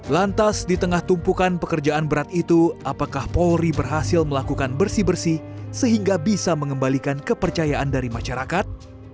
lantas di tengah tumpukan pekerjaan berat itu apakah polri berhasil melakukan bersih bersih sehingga bisa mengembalikan kepercayaan dari masyarakat